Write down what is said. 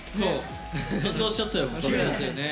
感動しちゃったよ。